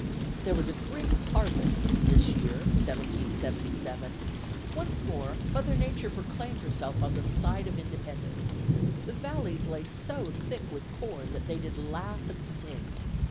There was a great harvest, in this year 1777; once more Mother Nature proclaimed herself on the side of Independence. The valleys lay so thick with corn that they did laugh and sing.